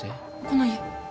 この家。